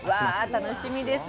わ楽しみです。